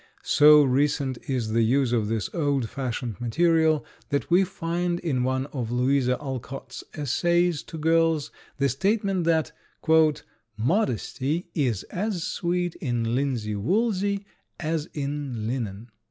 So recent is the use of this old fashioned material that we find in one of Louisa Alcott's essays to girls the statement that "Modesty is as sweet in linsey woolsey as in linen."